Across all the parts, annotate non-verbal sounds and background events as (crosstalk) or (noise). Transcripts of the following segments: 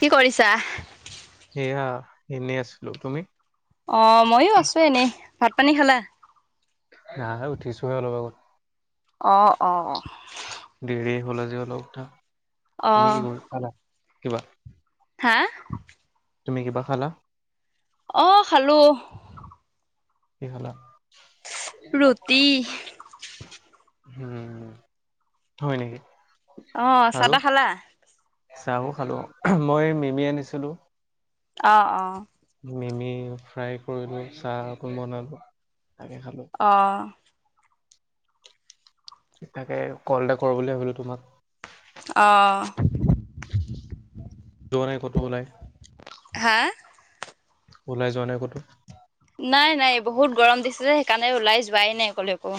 কি কৰিছা? সেয়া, এনেই আছিলো তুমি? অঁ' মইও আছো এনেই, ভাত পানী খালা? নাইহে উঠিছোহে অলপ আগত। অ' অ'। দেৰিয়ে হল আজি অলপ উথা, তুমি অ' কি কৰিলা, খালা কিবা হা? তুমি কিবা খালা? অ' খালো! কি খালা? ৰুটি। উম, হয় নেকি? অ' আৰু চাহ-তাহ খালা? চাহো খালো, মই মিমি আনিছিলো। অহ-অহ, মিমি ফ্ৰাই কৰিলো। চাহ অকণ বনালো তাকে খালো। অ' তাকে কল এটা কৰো বুলি ভাবিলো তোমাক। অহ, যোৱা নাই ক'তো ওলাই। হা? ওলাই যোৱা নাই ক'তো। নাই-নাই বহুত গৰম দিছে যে সেইকাৰণে ওলাই যোৱাই নাই কলৈকো।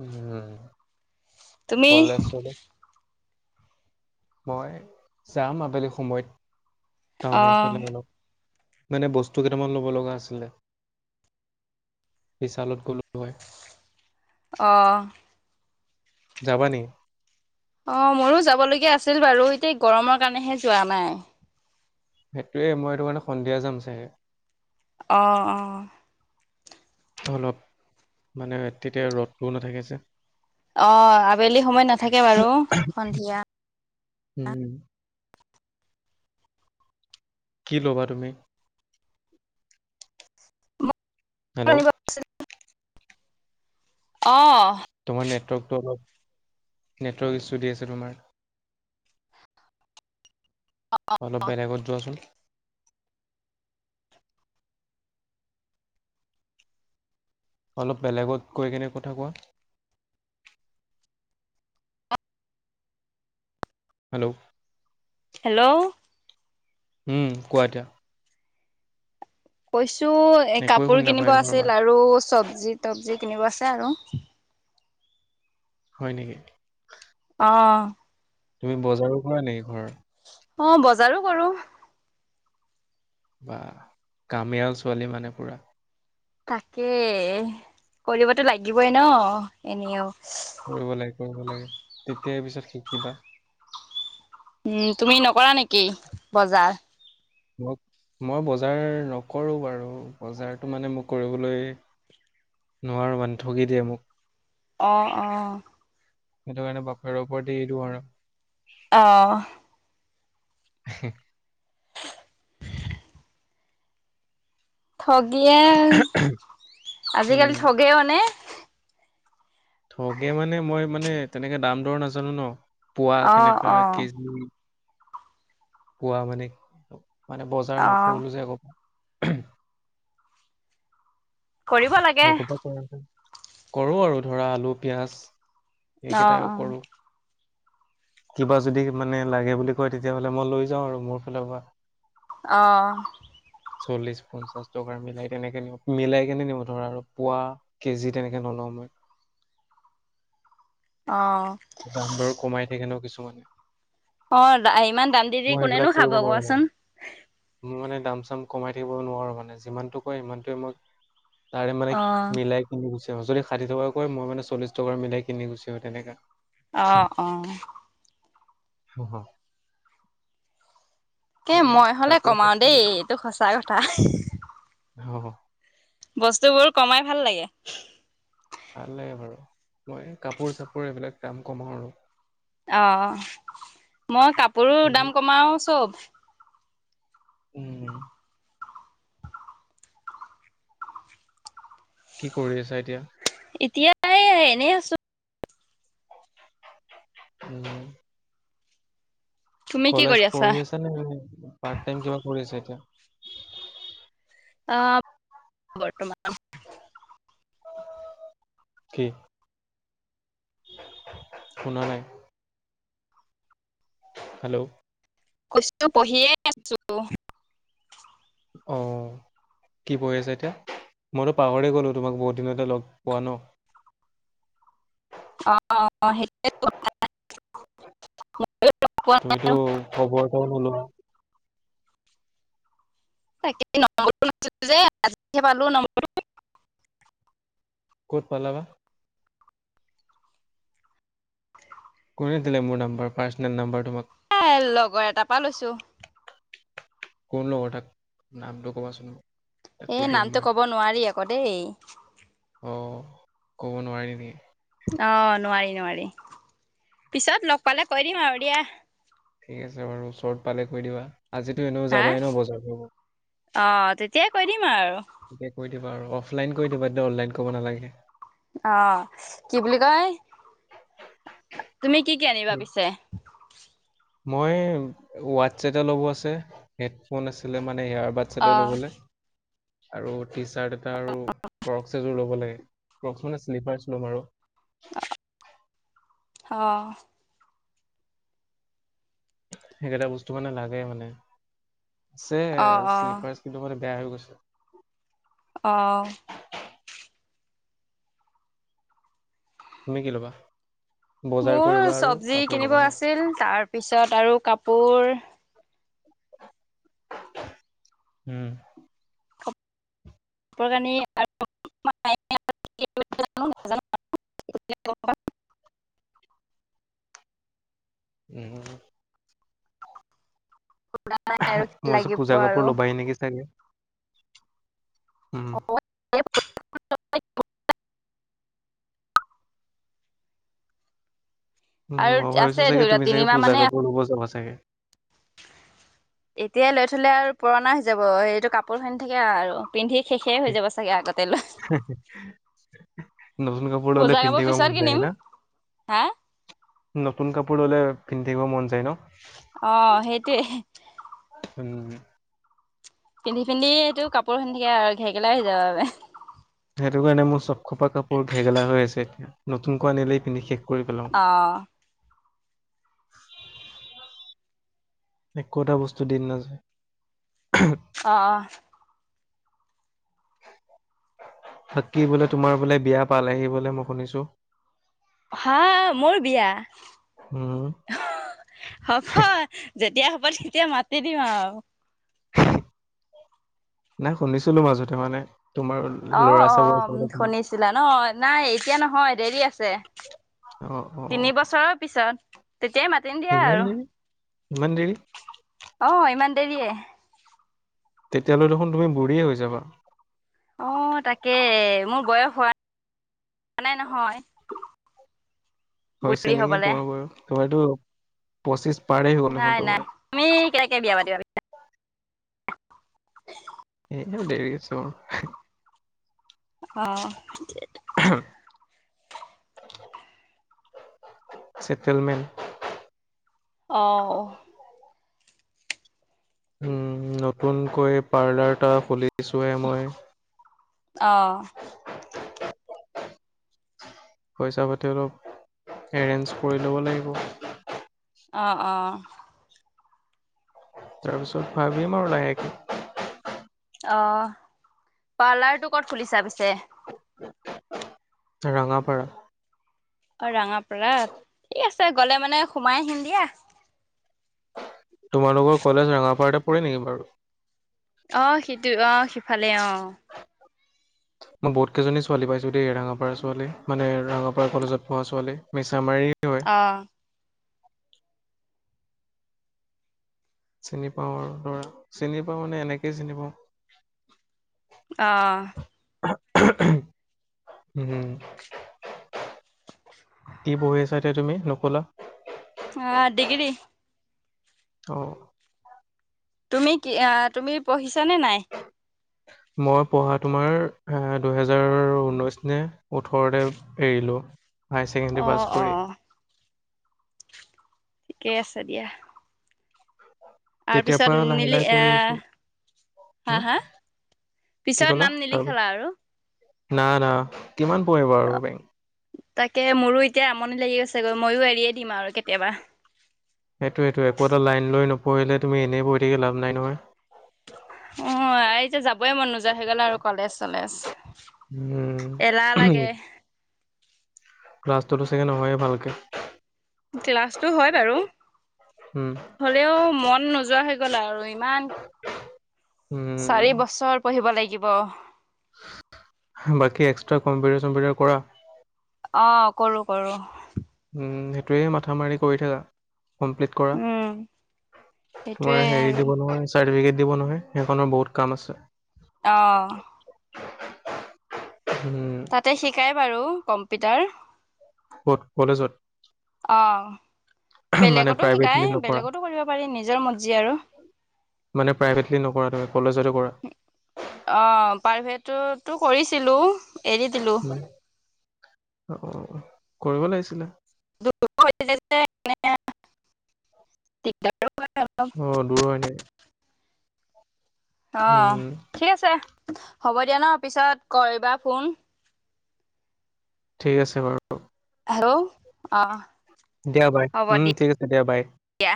উম, তুমি? কলেজ-চলেজ মই যাম আবেলি সময়ত। টাউনৰ অ' ফালে অলপ। মানে বস্তু কেইটামান ল'ব লগা আছিলে। বিশালত গ'লোঁ হয়। অহ। যাবা নি? অ, মোৰো যাবলগীয়া আছিল বাৰু। এতিয়া গৰমৰ কাৰণেহে যোৱা নাই। সেইটোয়ে মই এইটো কাৰণে সন্ধিয়া যাম চাগে। অহ-অহ অলপ মানে তেতিয়া ৰ'দটোও নাথাকে যে। অ, আবেলি সময়ত নাথাকে বাৰু সন্ধিয়া। উম, কি ল'বা তুমি? হেল্ল'। অহ। তোমাৰ নেটৱৰ্কটো অলপ নেটৱৰ্ক ইছো দি আছে তোমাৰ। অলপ বেলেগত যোৱাচোন। অলপ বেলেগত কৈ কেনে কথা কোৱা। হেল্ল'। হেল্ল', উম, কোৱা এতিয়া। কৈছো এ একোৱে কাপোৰ শুনি কিনিব নাপায় তোমাৰ মাত আছিল আৰু চব্জি-তবজি কিনিব আছে আৰু। হয় নেকি? অ'। তুমি বজাৰো কৰা নেকি ঘৰৰ? অ' বজাৰো কৰোঁ। বাহ, কামিয়াল ছোৱালী মানে পুৰা। তাকেই কৰিবতো লাগিবই নহ, এনেওঁ। কৰিব লাগে, কৰিব লাগে তেতিয়াই পিছত শিকিবা। উম, তুমি নকৰা নেকি বজাৰ? মগ মই বজাৰ নকৰোঁ বাৰু বজাৰটো মানে মোক কৰিবলৈ নোৱাৰোঁ মানে ঠগি দিয়ে মোক। অ', অ'। সেইটো কাৰণে বাপেৰৰ ওপৰত এৰি দিওঁ আৰু। অহ। (inaudible) ঠগীয়ে, উম, আজিকালি ঠগেও মানে। ঠগে মানে মই মানে তেনেকে দাম দৰ নাজানো নহ। পুৱা অ কেনেকুৱা অ কেজি পুৱা মানে, মানে বজাৰ অ নকৰিলোঁ যে আগ কৰিব লাগে আগপা কৰো যে কৰো আৰু ধৰা আলু পিয়াজ অ সেইকেইটাই কৰোঁ। কিবা যদি মানে লাগে বুলি কয়, তেতিয়াহ'লে মই লৈ যাওঁ আৰু মোৰ ফালৰ পৰা, অহ চল্লিশ পঞ্চাশ টকাৰ মিলাই তেনেকে নিও মিলাই কেনে নিও ধৰা আৰু পুৱা কেজি তেনেকে নলওঁ মই। অ দাম দৰ কমাই থাকে ন কিছুমানে। অ ইমান দাম দি দি সেইবিলাক কোনেনো খাব কৰিব নোৱাৰো মানে। কোৱাচোন। মই মানে দাম চাম কমাই থাকিব নোৱাৰো মানে। যিমানটো কয় সিমানটোৱে মই, তাৰে মানে অ মিলাই কিনি গুচি তেওঁঁ যদি ষাঠি টকা কয় মই মানে চল্লিছ টকাৰ মিলাই কিনে গুছি আহো তেনেকা অহ, অহ হ হ এ মই হলে কমাও দেই। এইটো সঁচা কথা। হয় বস্তু বোৰ কমাই ভাল লাগে। ভাল লাগে বাৰু মই কাপোৰ চাপোৰ এইবিলাক দাম কমাও আৰু, অ মই কাপোৰো দাম কমাও চব। উম কি কৰি আছা এতিয়া এতিয়াই এনেই আছো। উম, তুমি কি কলেজ কৰি আছা? পঢ়ি আছেনে নে পাৰট টাইম কিবা কৰি আছে এতিয়া। আহ বৰ্তমান। কি? শুনা নাই হেল্ল' কৈছো পঢ়িয়ে আছো। অ কি কৰি আছা এতিয়া। মইতো পাহৰি গলো তোমাক বহুত দিনতে লগ পোৱা ন। অহ অ সেইটোৱে (unintelligible) তুমিতো খবৰ এটাও নোলোৱা। তাকে নম্বৰ নাছিল যে আজি পালো নম্বৰটো ক'ত পালাবা কোনে দিলে মোৰ নাম্বাম পাৰচেনেল নম্বৰ তোমাক এ লগৰ এটাৰ পৰা লৈছো। কোন লগৰ তাক নামটো কবাচোন মোক এ নামটো কব নোৱাৰি আকৌ দেই। অ কব নোৱাৰি নি অ' নোৱাৰি নোৱাৰি, পিছত লগ পালে কৈ দিম আৰু দিয়া ঠিক আছে বাৰু ওচত পালে কৈ দিবা। আজিতো এনেও হা যাবাই ন বজাৰ ফুৰব। অ' তেতিয়াই কৈ দিম আৰু। এতিয়া কৈ দিবা আৰু অফলাইন কৈ দিবা এ অনলাইন কব নালাগে। অ কি বুলি কয়। তুমি কি কি আনিবা পিছে মই হোৱাটছেতত লগোৱা আছে হেডফোন আছিলে মানে। নে ইয়াৰ বাচ্ছাটোৰ অ' লবলে, আৰু টি-চাৰ্ট এটা আৰু ক্ৰম এযোৰ লব লে, প্ৰথমে শ্লিপাৰচ ল'ম আৰু। অ', সেইকেইটা বস্তু মানে লাগে মানে, আছে অ', অ', শ্লিপাৰচ, কিন্তু মানে বেয়া হৈ গৈছে। অ', তুমি কি ল'বা? বজাৰ মোৰ কৰিবা আৰু চব্জি কাপোৰ কিনিব ল'বা ন আছিল, তাৰপিছত আৰু কাপোৰ উম। পোৰ কানি (unintelligible) (inaudible) উম' আৰু কি মই লাগিব পূজাৰ আৰু কাপোৰ ল'বাই নেকি চাগে। উম (inaudible) উম, আৰু মই ভাবিছো আছে চাগে ধৰি লোৱা তুমি চাগে তিনিমাহ পূজা মানে কাপোৰ ল'ব যাবা চাগে। এতিয়াই লৈ থ'লে আৰু পুৰণা হৈ যাব, এইটো কাপোৰ হৈ নাথাকে আৰু পিন্ধি শেষে হৈ যাব চাগে আগতে লৈ নতুন কাপোৰ পূজা ল'লে পিন্ধিব পিছত মন যায় কিনিম হয়না? হা? নতুন কাপোৰ ল'লে, পিন্ধিব মন যায় ন অ', সেইটোৱেই। উম। পিন্ধি পিন্ধি এইটো কাপোৰ হৈ নাথাকে আৰু ঘেগেলা হৈ যাব বাবে সেইটো কাৰণে মোৰ চব খোপা কাপোৰ ঘেগেলা হৈ আছে এতিয়া, নতুনকৈ আনিলেই পিন্ধি শেষ কৰি পেলাওঁ অ', একো এটা বস্তু দিন নাযায়। অহ। তাকে বোলে তোমাৰ বোলে বিয়া পালেহি বোলে মই শুনিছো হা, মোৰ বিয়া। উম হ'ব, যেতিয়া হ'ব তেতিয়া মাতি দিম আৰু নাই শুনিছিলো মাজতে মানে তোমাৰ অ', ল'ৰা -অ', চাব - আছে বোলে অ', তোমাৰ শুনিছিলা ন', নাই এতিয়া নহয় দেৰি আছে। অ অ তিনি বছৰৰ পিছত তেতিয়াই মাতিম দিয়া ইমান আৰু অ', দেৰি ইমান দেৰি ইমান দেৰিয়ে তেতিয়ালৈ দেখোন তুমি বুঢ়ীয়ে হৈ যাবা। অ' তাকে, মোৰ বয়স হোৱা মানে নহয় হৈছে বুঢ়ী নেকি হবলে তোমাৰ বয়স, তোমাৰটো পঁচিছ নাই নাই, তুমি কেনেকে বিয়া পাতিব। (inaudible) এ দেৰি হৈছে অ'। অ'। (inaudible) চেটলমেন। অ' অ'। উম, নতুনকৈ পাৰ্লাৰ এটা খুলি উঠিছোহে মই। অ', পইচা পাতি অলপ এৰেঞ্জ কৰি ল'ব লাগিব। অ' অ'। তাৰপিছত ভাবিম আৰু লাহেকে। অ, পাৰ্লাৰটো কত খুলিছা পিছে? ৰঙাপাৰা। অ ৰঙাপাৰাত ঠিক আছে গলে মানে সোমাই আহিম দিয়া তোমালোকৰ কলেজ ৰঙাপাৰতে পৰি নেকি বাৰু অ সিটো অ সিফালে অ মই বহুত কেইজনী ছোৱালী পাইছো দেই ৰঙাপাৰা ছোৱালী মানে ৰঙাপাৰ কলেজত পঢ়া ছোৱালী মি আামাৰি হয় অ', চিনি পাওঁ আৰু ধৰা চিনি পাওঁ মানে এনেকেই চিনি পাওঁ অ', হম কি বহি আছা এতিয়া তুমি নুকলা অ, ডিগ্ৰী অ তুমি কি তুমি পঢ়িছানে নাই মই পঢ়া তোমাৰ দুহেজাৰ ঊনৈশ নে ওঠৰতে এৰিলো। হায়াৰ ছেকেণ্ডেৰী অ', পাছ কৰি অ', ঠিকেই আছে দিয়া তেতিয়াৰ তাৰপিছত পৰা লাহে- নিলি লাহে কৰি আহ আহিছো। হা উম হা কি পিছত কলা নাম নিলিখালা আৰু? তাৰপিছত না - না কিমান পৰিব অ', আৰু বেংক। তাকে মোৰো এতিয়া আমনি লাগি গৈছে গৈ ময়ো এৰিয়ে দিম আৰু কেতিয়াবা পঢ়িলে তুমি এনেই পঢ় থাকি লাভ নাই নহয়। অ, আৰু এতিয়া যাবই মন নোযোৱা হৈ গ'ল আৰু কলেজ চলেজ। এলাহ উম লাগে। ৰা্লছটোতো চাগে নহয়ে ভালকে ক্লাছতটো হয় বাৰু উম হ'লেও মন নোযোৱা। গলা আৰু ইমান চাৰি উম বছৰ পঢ়িব লাগিব। বাকী এক্সট্ৰা কম্পিটাৰ চম্পিটাৰ কৰা অ কৰো কৰোঁ উম, সেইটোৱে মাথা মাৰি কৰি থাকা। ত উম, সেইটোৱে আৰু দিব নহয় সেইখনৰ বহুত কাম আছে অ', উম তাতে শিকাই বাৰু কম্পিউটাৰ ক'ত কলেজত অ', মানে বেলেগতো প্ৰাইভেটলি শিকায় নকৰা বেলেগতো কৰিব পাৰি নিজৰ মজজি আৰু অ, মানে প্ৰাইভেটলি নকৰা তুমি কলেজতে কৰা প্ৰাৰভেটটো তটো কৰিছিলো এৰি দিলো অ কৰিব লাগিছিলে দ অ দূৰ হয় নেক অ, উম ঠিক আছে হ'ব দিয়া ন পিছত কৰিবা ফোন। ঠিক আছে বাৰু হেল্ল' অ দিয়া বাই উম, ঠিক আছে দিয়া বাই। দিয়া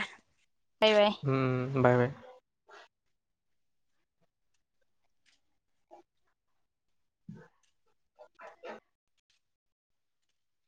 বাই বাই উম, বাই-বাই। (unintelligible)